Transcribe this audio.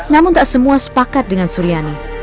namun tak semua sepakat dengan suryani